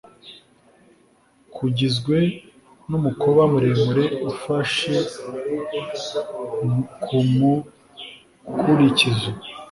Kugizwe n'umukoba muremure ufashe ku mukurikizo